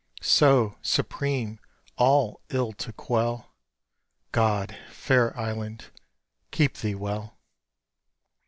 So, supreme all ill to quell, God, fair island, keep thee well!